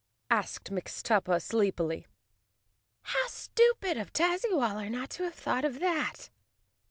asked Mixtuppa sleepily. "How stupid of Tazzywaller not to have thought of that."